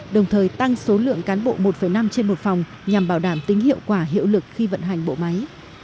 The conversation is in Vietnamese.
đồng thời tăng số lượng cán bộ một năm trên một phòng nhằm bảo đảm tính hiệu quả hiệu lực khi vận hành bộ máy